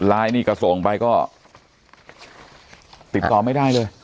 ไลน์นี่กระโส่ออกไปก็ติดต่อไม่ได้เลย